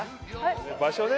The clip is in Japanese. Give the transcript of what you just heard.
場所ね。